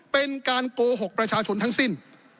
เป็นการโกหกประชาชนทั้งสิ้น